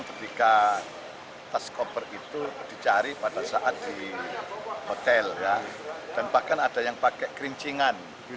ketika tas koper itu dicari pada saat di hotel dan bahkan ada yang pakai kerincingan